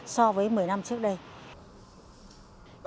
so với một mươi năm trước